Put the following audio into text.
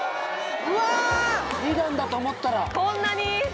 うわ・２段だと思ったらこんなに？